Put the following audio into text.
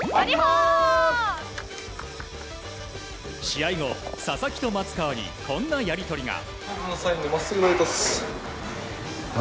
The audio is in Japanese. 試合後、佐々木と松川にこんなやり取りが。